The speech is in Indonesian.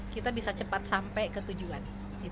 kita bisa cepat sampai ke tujuan